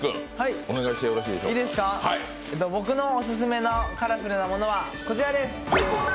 僕のオススメのカラフルなモノはこちらです。